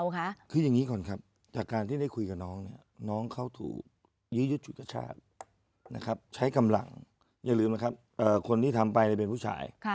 คนที่ทำไปให้เป็นผู้ชาย